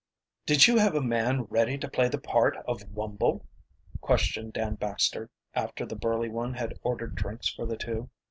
"Did you have a man ready to play the part of Wumble?" questioned Dan Baxter, after the burly one had ordered drinks for the two.